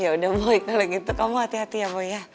yaudah boy kalau gitu kamu hati hati ya boy ya